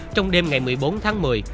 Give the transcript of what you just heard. trong đêm ngày một mươi bốn tháng một mươi